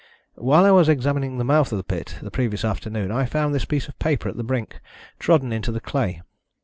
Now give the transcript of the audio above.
"While I was examining the mouth of the pit the previous afternoon I found this piece of paper at the brink, trodden into the clay.